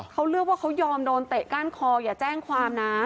เขาเลือกว่าเขายอมโดนเตะก้านคออย่าแจ้งความนะ